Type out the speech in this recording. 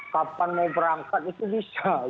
kapan mau berangkat itu bisa